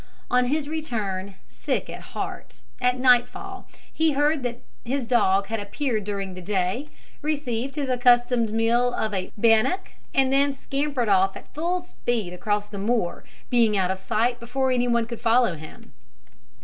On his return, sick at heart, at nightfall, he heard that his dog had appeared during the day, received his accustomed meal of a bannock, and then scampered off at full speed across the moor, being out of sight before any one could follow him.